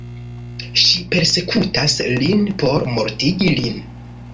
Ŝi persekutas lin por mortigi lin.